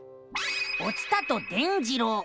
「お伝と伝じろう」。